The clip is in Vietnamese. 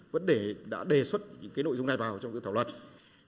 vẫn đã đề xuất những nội dung này vào trong cơ quan soạn thảo luật